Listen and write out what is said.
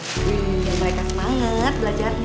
wih yang baik as banget belajarnya